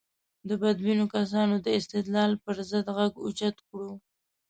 د بدبینو کسانو د استدلال پر ضد غږ اوچت کړو.